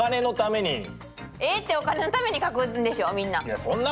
絵ってお金のために描くんでしょみんな。